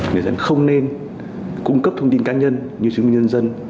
người dân không nên cung cấp thông tin cá nhân như chứng minh nhân dân